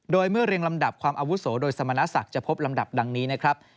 โดยเมื่อเรียงลำดับความอาวุโสโดยสมณศักดิ์จะพบลำดับดังนี้นะครับ